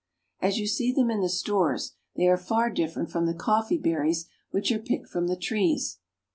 As you see them in the stores they are far different from the coffee berries which are picked from the trees.